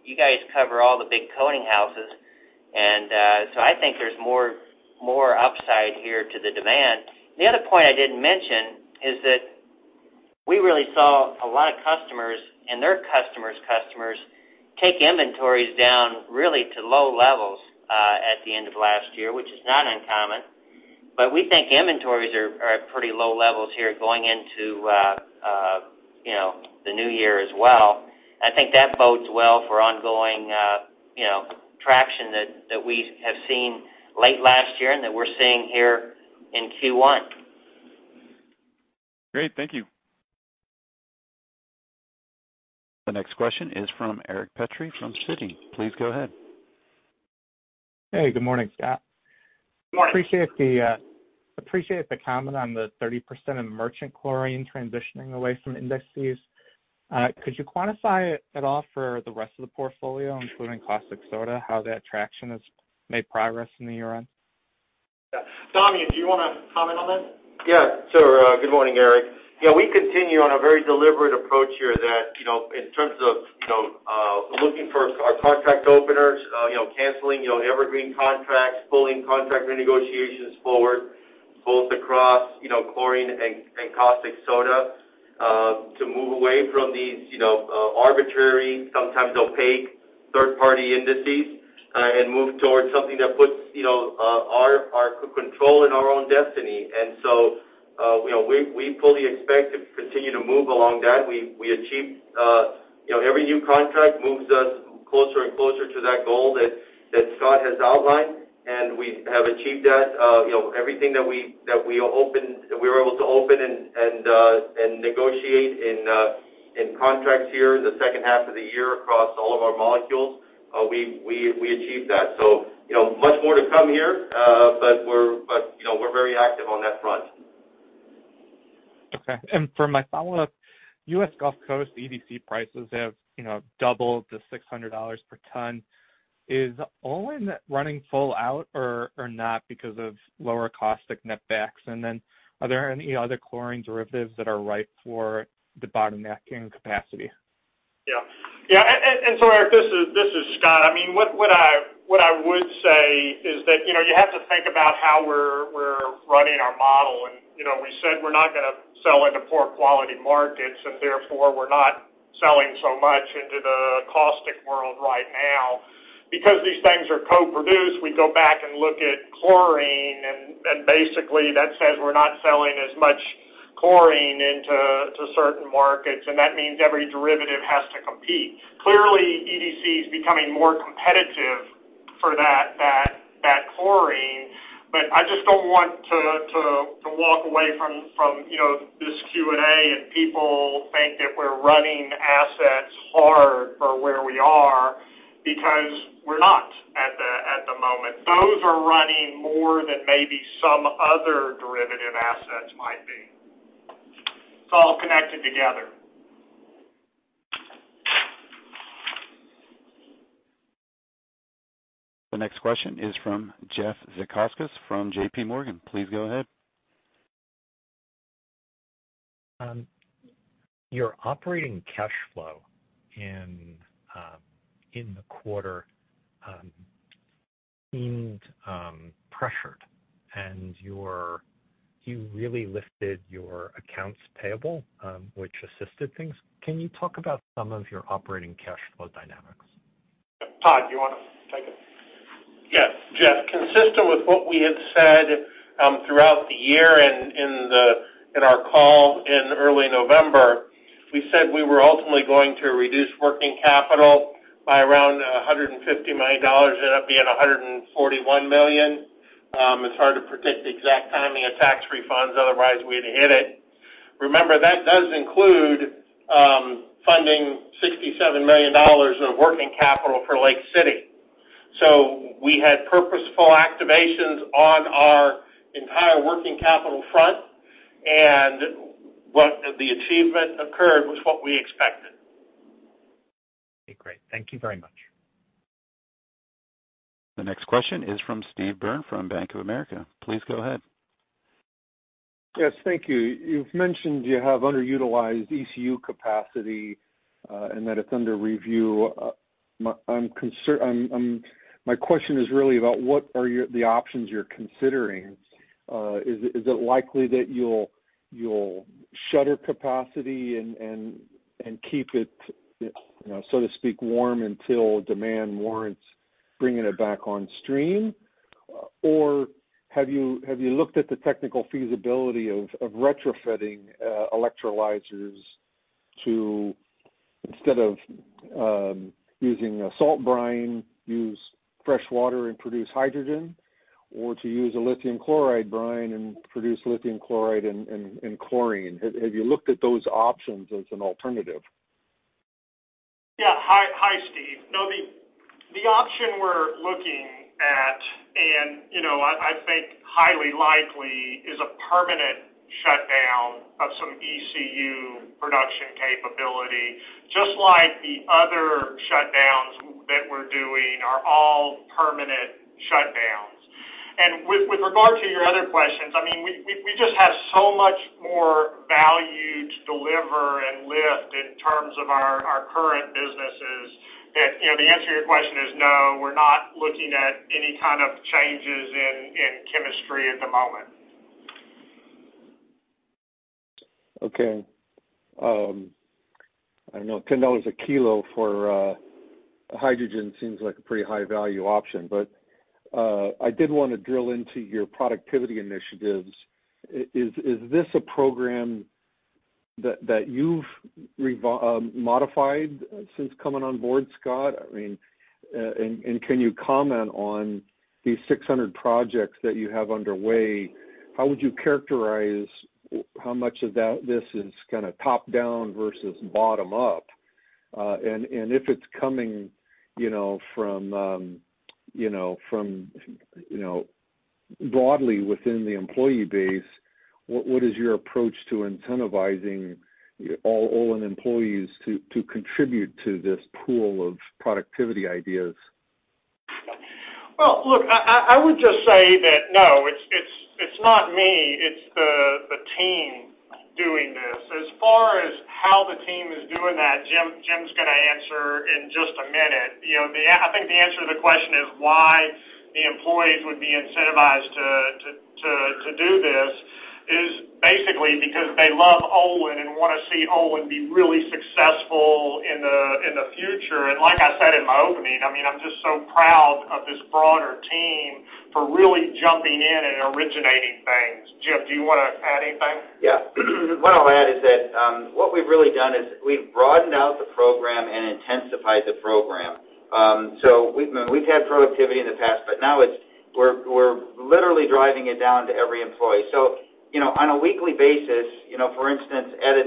You guys cover all the big coating houses, and so I think there's more upside here to the demand. The other point I didn't mention is that we really saw a lot of customers and their customers' customers take inventories down really to low levels at the end of last year, which is not uncommon. We think inventories are at pretty low levels here going into the new year as well. I think that bodes well for ongoing traction that we have seen late last year and that we're seeing here in Q1. Great. Thank you. The next question is from Eric Petrie from Citi. Please go ahead. Hey, good morning, Scott. Morning. Appreciate the comment on the 30% of merchant chlorine transitioning away from indices. Could you quantify it at all for the rest of the portfolio, including caustic soda, how that traction has made progress in the year-end? Yeah. Dami, do you want to comment on that? Yeah, sure. Good morning, Eric. We continue on a very deliberate approach here that in terms of looking for our contract openers, canceling evergreen contracts, pulling contract renegotiations forward both across chlorine and caustic soda to move away from these arbitrary, sometimes opaque third-party indices and move towards something that puts our control in our own destiny. We fully expect to continue to move along that. Every new contract moves us closer and closer to that goal that Scott has outlined, and we have achieved that. Everything that we were able to open and negotiate in contracts here in the second half of the year across all of our molecules, we achieved that. Much more to come here, but we're very active on that front. Okay. For my follow-up, U.S. Gulf Coast EDC prices have doubled to $600 per ton. Is Olin running full out or not because of lower caustic net backs? Are there any other chlorine derivatives that are ripe for debottlenecking capacity? Yeah. Eric, this is Scott. What I would say is that you have to think about how we're running our model. We said we're not going to sell into poor quality markets, and therefore, we're not selling so much into the caustic world right now. Because these things are co-produced, we go back and look at chlorine, and basically that says we're not selling as much chlorine into certain markets, and that means every derivative has to compete. Clearly, EDC is becoming more competitive for that chlorine. I just don't want to walk away from this Q&A, and people think that we're running assets hard for where we are, because we're not at the moment. Those are running more than maybe some other derivative assets might be. It's all connected together. The next question is from Jeff Zekauskas from JPMorgan. Please go ahead. Your operating cash flow in the quarter seemed pressured, and you really lifted your accounts payable, which assisted things. Can you talk about some of your operating cash flow dynamics? Yeah. Todd, do you want to take it? Yes. Jeff, consistent with what we had said throughout the year and in our call in early November, we said we were ultimately going to reduce working capital by around $150 million. It ended up being $141 million. It's hard to predict the exact timing of tax refunds, otherwise we'd hit it. Remember, that does include funding $67 million of working capital for Lake City. We had purposeful activations on our entire working capital front, and the achievement occurred was what we expected. Okay, great. Thank you very much. The next question is from Steve Byrne from Bank of America. Please go ahead. Yes, thank you. You've mentioned you have underutilized ECU capacity, and that it's under review. My question is really about what are the options you're considering? Is it likely that you'll shutter capacity and keep it, so to speak, warm until demand warrants bringing it back on stream? Or have you looked at the technical feasibility of retrofitting electrolyzers to, instead of using a salt brine, use fresh water and produce hydrogen? Or to use a lithium chloride brine and produce lithium chloride and chlorine. Have you looked at those options as an alternative? Hi, Steve. The option we're looking at, and I think highly likely, is a permanent shutdown of some ECU production capability. Just like the other shutdowns that we're doing are all permanent shutdowns. With regard to your other questions, we just have so much more value to deliver and lift in terms of our current businesses that the answer to your question is no, we're not looking at any kind of changes in chemistry at the moment. Okay. I don't know, $10 a kilo for hydrogen seems like a pretty high value option. I did want to drill into your productivity initiatives. Is this a program that you've modified since coming on board, Scott? Can you comment on these 600 projects that you have underway? How would you characterize how much of this is kind of top-down versus bottom-up? If it's coming from broadly within the employee base, what is your approach to incentivizing Olin employees to contribute to this pool of productivity ideas? Well, look, I would just say that, no, it's not me, it's the team doing this. As far as how the team is doing that, Jim's going to answer in just a minute. I think the answer to the question is why the employees would be incentivized to do this is basically because they love Olin and want to see Olin be really successful in the future. Like I said in my opening, I'm just so proud of this broader team for really jumping in and originating things. Jim, do you want to add anything? What I'll add is that what we've really done is we've broadened out the program and intensified the program. We've had productivity in the past, but now we're literally driving it down to every employee. On a weekly basis, for instance, at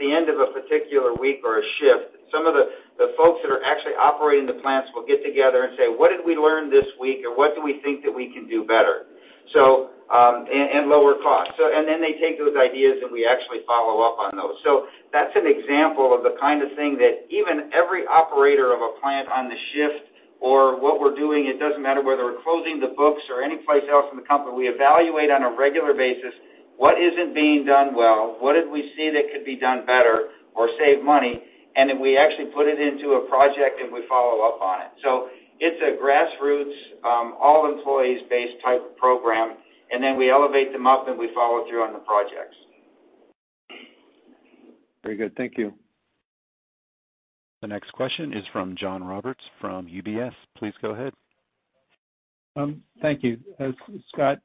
the end of a particular week or a shift, some of the folks that are actually operating the plants will get together and say, "What did we learn this week?" Or, "What do we think that we can do better? Lower costs. They take those ideas, and we actually follow up on those. That's an example of the kind of thing that even every operator of a plant on the shift or what we're doing, it doesn't matter whether we're closing the books or anyplace else in the company, we evaluate on a regular basis what isn't being done well, what did we see that could be done better or save money, and then we actually put it into a project, and we follow up on it. It's a grassroots, all employees based type program, and then we elevate them up, and we follow through on the projects. Very good. Thank you. The next question is from John Roberts from UBS. Please go ahead. Thank you. Scott,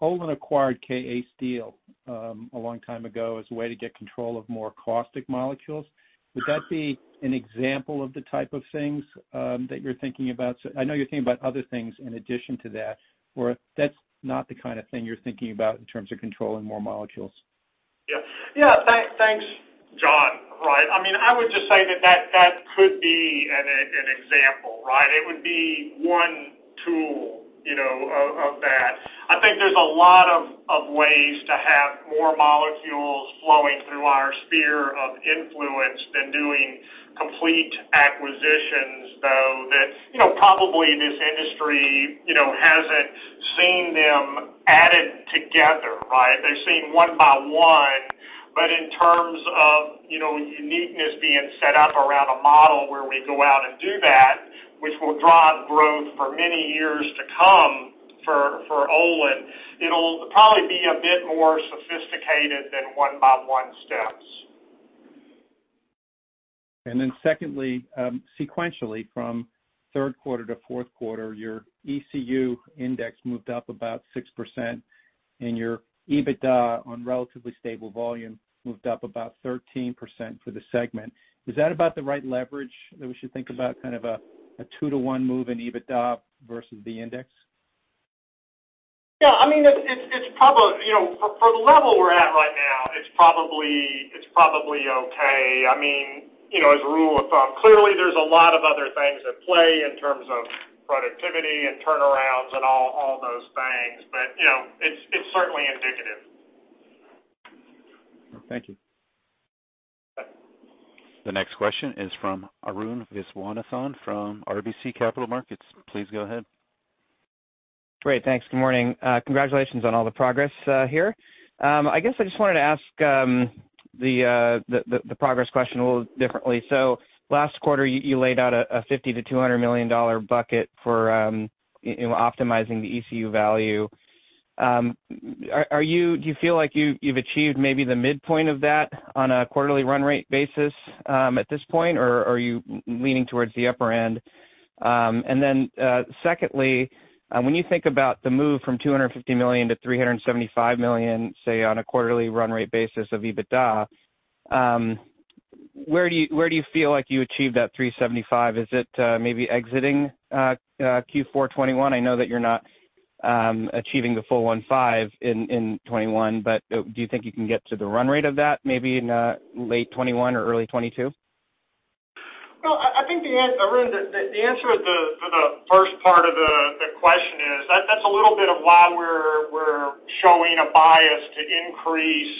Olin acquired K.A. Steel a long time ago as a way to get control of more caustic molecules. Would that be an example of the type of things that you're thinking about? I know you're thinking about other things in addition to that. That's not the kind of thing you're thinking about in terms of controlling more molecules? Yeah. Thanks, John. I would just say that could be an example, right? It would be one tool of that. I think there's a lot of ways to have more molecules flowing through our sphere of influence than doing complete acquisitions, though, that probably this industry hasn't seen them added together, right? They're seen one by one. In terms of uniqueness being set up around a model where we go out and do that, which will drive growth for many years to come for Olin, it'll probably be a bit more sophisticated than one by one steps. Secondly, sequentially from third quarter to fourth quarter, your ECU index moved up about 6% and your EBITDA on relatively stable volume moved up about 13% for the segment. Is that about the right leverage that we should think about, kind of a 2:1 move in EBITDA versus the index? Yeah, for the level we're at right now, it's probably okay. As a rule of thumb. Clearly, there's a lot of other things at play in terms of productivity and turnarounds and all those things, but it's certainly indicative. Thank you. The next question is from Arun Viswanathan from RBC Capital Markets. Please go ahead. Great. Thanks. Good morning. Congratulations on all the progress here. I wanted to ask the progress question a little differently. Last quarter, you laid out a $50 million-$200 million bucket for optimizing the ECU value. Do you feel like you've achieved maybe the midpoint of that on a quarterly run rate basis at this point, or are you leaning towards the upper end? Secondly, when you think about the move from $250 million-$375 million, say on a quarterly run rate basis of EBITDA, where do you feel like you achieved that $375 million? Is it maybe exiting Q4 2021? I know that you're not achieving the full one five in 2021, but do you think you can get to the run rate of that maybe in late 2021 or early 2022? No, I think, Arun, the answer for the first part of the question is that's a little bit of why we're showing a bias to increase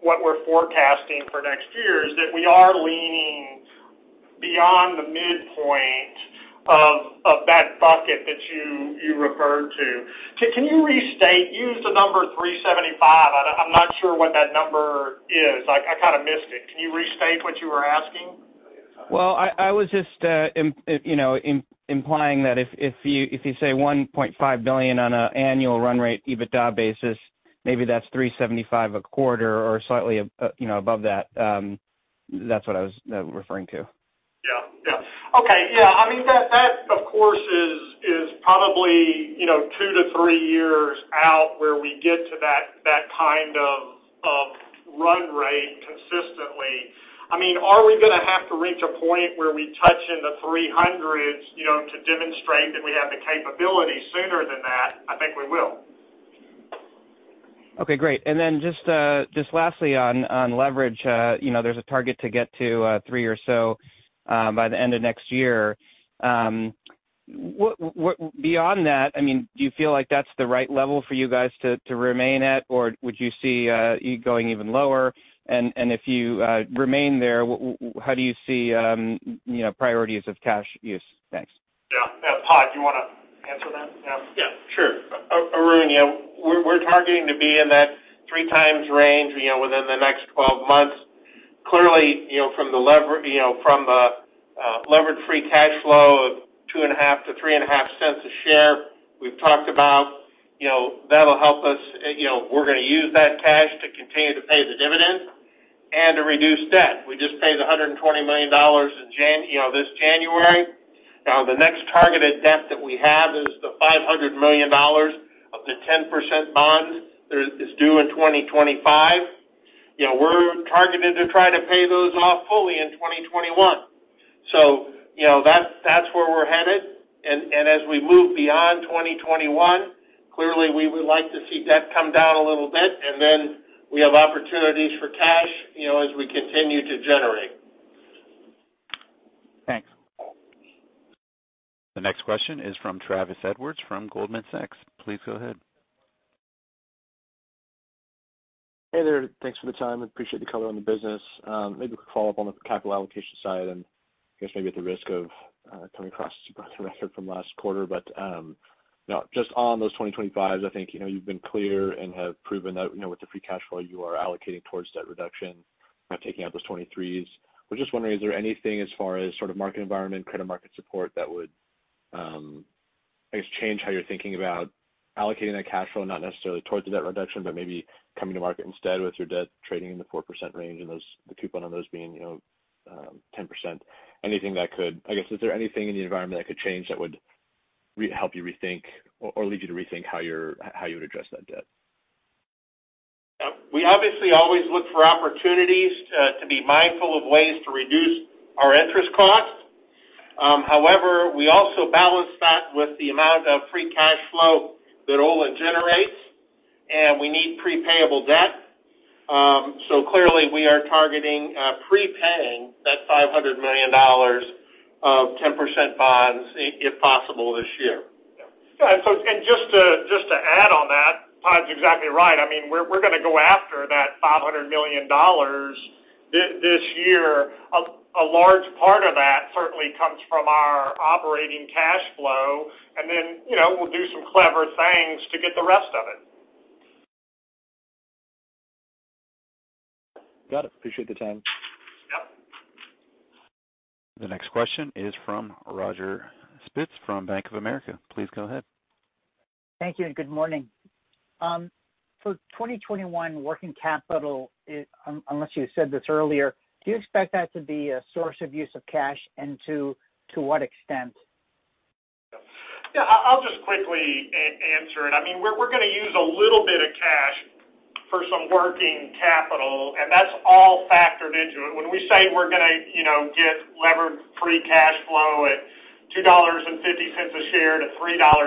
what we're forecasting for next year is that we are leaning beyond the midpoint of that bucket that you referred to. Can you restate? You used the number $375 million. I'm not sure what that number is. I kind of missed it. Can you restate what you were asking? Well, I was just implying that if you say $1.5 billion on an annual run rate EBITDA basis, maybe that's $375 million a quarter or slightly above that. That's what I was referring to. Okay. That, of course, is probably two to three years out where we get to that kind of run rate consistently. Are we going to have to reach a point where we touch in the $300 million to demonstrate that we have the capability sooner than that? I think we will. Okay, great. Just lastly on leverage, there's a target to get to three or so by the end of next year. Beyond that, do you feel like that's the right level for you guys to remain at, or would you see it going even lower? If you remain there, how do you see priorities of cash use? Thanks. Yeah. Todd, do you want to answer that? Yeah, sure. Arun, we're targeting to be in that three times range within the next 12 months. From a levered free cash flow of $0.025-$0.035 a share we've talked about, that'll help us. We're going to use that cash to continue to pay the dividends and to reduce debt. We just paid $120 million this January. The next targeted debt that we have is the $500 million of the 10% bond is due in 2025. We're targeted to try to pay those off fully in 2021. That's where we're headed. As we move beyond 2021, clearly we would like to see debt come down a little bit, and then we have opportunities for cash as we continue to generate. Thanks. The next question is from Travis Edwards from Goldman Sachs. Please go ahead. Hey there. Thanks for the time. Appreciate the color on the business. Maybe we could follow up on the capital allocation side, I guess maybe at the risk of coming across a broken record from last quarter. Just on those 2025s, I think you've been clear and have proven that with the free cash flow you are allocating towards debt reduction by taking out those 2023s. We're just wondering, is there anything as far as sort of market environment, credit market support that would, I guess, change how you're thinking about allocating that cash flow, not necessarily towards the debt reduction, but maybe coming to market instead with your debt trading in the 4% range and the coupon on those being 10%? I guess, is there anything in the environment that could change that would help you rethink or lead you to rethink how you would address that debt? We obviously always look for opportunities to be mindful of ways to reduce our interest costs. However, we also balance that with the amount of free cash flow that Olin generates, and we need pre-payable debt. Clearly we are targeting prepaying that $500 million of 10% bonds if possible this year. Just to add on that, Todd's exactly right. We're going to go after that $500 million this year. A large part of that certainly comes from our operating cash flow, and then we'll do some clever things to get the rest of it. Got it. Appreciate the time. Yep. The next question is from Roger Spitz from Bank of America. Please go ahead. Thank you and good morning. For 2021, working capital, unless you had said this earlier, do you expect that to be a source of use of cash, and to what extent? Yeah, I'll just quickly answer it. We're going to use a little bit of cash for some working capital, and that's all factored into it. When we say we're going to get levered free cash flow at $2.50-$3.50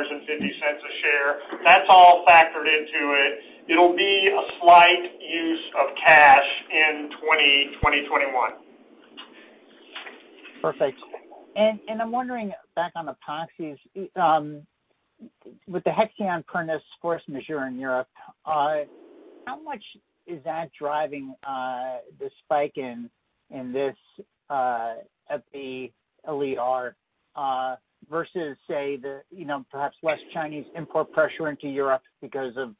a share, that's all factored into it. It'll be a slight use of cash in 2021. Perfect. I'm wondering, back on the epoxies, with the Hexion/Pernis force majeure in Europe, how much is that driving the spike in this EPI LER versus, say, the perhaps less Chinese import pressure into Europe because of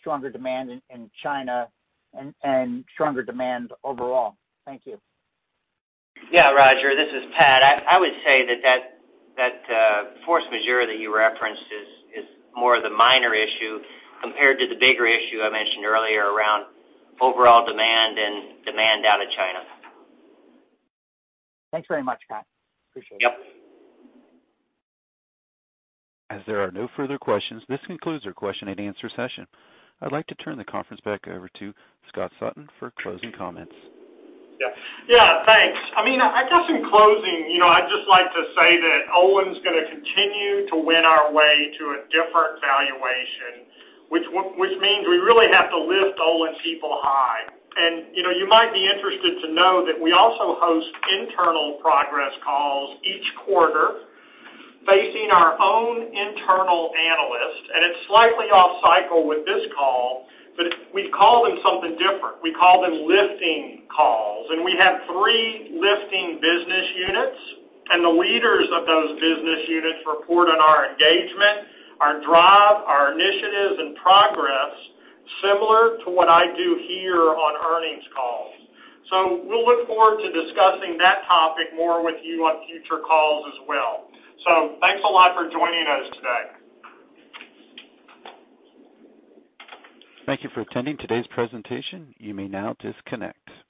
stronger demand in China and stronger demand overall? Thank you. Yeah, Roger, this is Pat. I would say that that force majeure that you referenced is more of the minor issue compared to the bigger issue I mentioned earlier around overall demand and demand out of China. Thanks very much, Pat. Appreciate it. Yep. As there are no further questions, this concludes our question and answer session. I'd like to turn the conference back over to Scott Sutton for closing comments. Thanks. I guess in closing, I'd just like to say that Olin's going to continue to win our way to a different valuation, which means we really have to lift Olin people high. You might be interested to know that we also host internal progress calls each quarter facing our own internal analysts, and it's slightly off cycle with this call, but we call them something different. We call them lifting calls, and we have three lifting business units, and the leaders of those business units report on our engagement, our drive, our initiatives and progress similar to what I do here on earnings calls. We'll look forward to discussing that topic more with you on future calls as well. Thanks a lot for joining us today. Thank you for attending today's presentation. You may now disconnect.